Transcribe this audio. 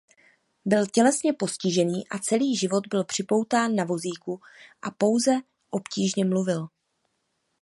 Byl tělesně postižený a celý život byl připoután na vozíku a pouze obtížně mluvil.